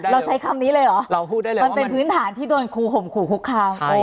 เราใช้คำนี้เลยเหรอมันเป็นพื้นฐานที่โดนครูข่มขู่หุ้กคาม